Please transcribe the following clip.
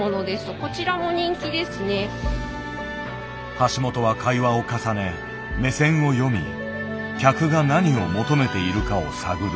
橋本は会話を重ね目線を読み客が何を求めているかを探る。